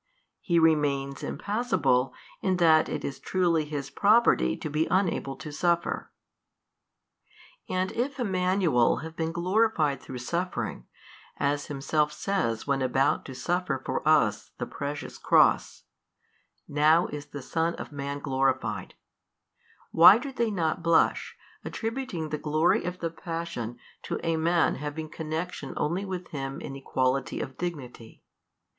He remains Impassible in that it is truly His property to be unable to suffer. And if Emmanuel have been glorified through suffering, as Himself says when about to suffer for us the Precious Cross, Now is the son of man glorified, why do they not blush, attributing the glory of the Passion to a man having connection only with Him in Equality of dignity?